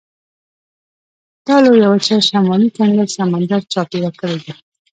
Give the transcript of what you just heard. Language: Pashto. دا لویه وچه شمالي کنګل سمندر چاپېره کړې ده.